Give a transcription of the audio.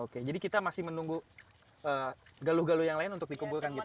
oke jadi kita masih menunggu galuh galuh yang lain untuk dikumpulkan gitu